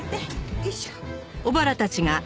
よいしょっ。